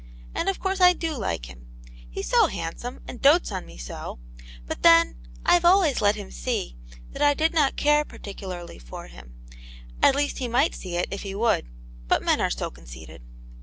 And of course I do like him. He's so handsome, and dotes on me so; but then, I've always let him see that I did not care particularly for him, at least he might see it if he would, but men are so con ceited."